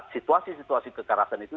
situasi situasi kekerasan itu